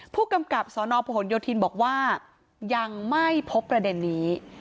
ผู้กำกับสนพหนโยธินบอกว่ายังไม่พบประเด็นนี้